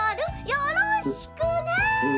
よろしくね」。